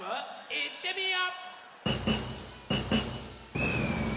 いってみよ！